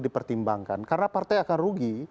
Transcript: dipertimbangkan karena partai akan rugi